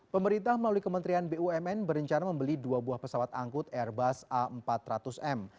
pemerintah melalui kementerian bumn berencana membeli dua buah pesawat angkut airbus a empat ratus m